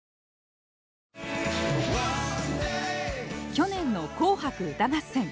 去年の「紅白歌合戦」。